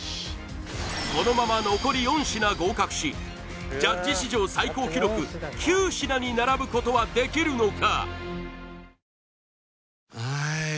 このまま残り４品合格しジャッジ史上最高記録９品に並ぶことはできるのか？